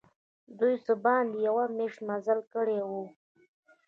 دوی څه باندي یوه میاشت مزل کړی وو.